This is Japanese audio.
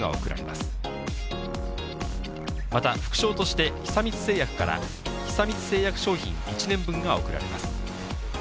また、副賞として、久光製薬から久光製薬商品１年分が贈られます。